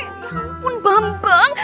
ya ampun bang